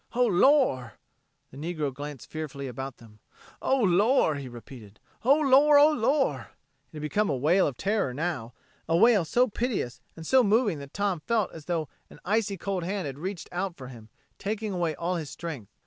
"Oh, Lor'!" The negro glanced fearfully about them. "Oh, Lor'!" he repeated. "Oh, Lor'! Oh, Lor'!" It had become a wail of terror now, a wail so piteous and so moving that Tom felt as though an icy cold hand had reached out for him, taking away all his strength.